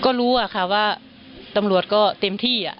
ก็รู้อะค่ะว่าตำรวจก็เต็มที่